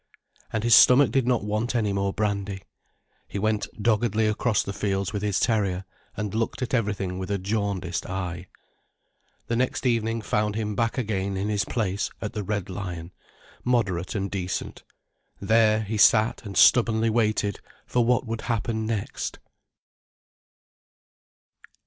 And his stomach did not want any more brandy. He went doggedly across the fields with his terrier, and looked at everything with a jaundiced eye. The next evening found him back again in his place at the "Red Lion", moderate and decent. There he sat and stubbornly waited for what would happen next.